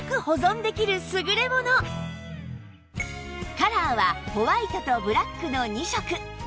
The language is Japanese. カラーはホワイトとブラックの２色